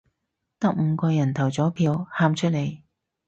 得五個人投咗票，喊出嚟